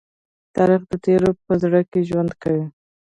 تاریخ د تېرو په زړه کې ژوند کوي.